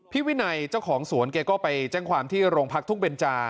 วินัยเจ้าของสวนแกก็ไปแจ้งความที่โรงพักทุ่งเบนจา